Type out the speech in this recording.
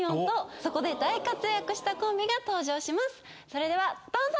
それではどうぞ！